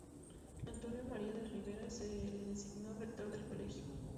Antonio María de Rivera se le designó Rector del Colegio.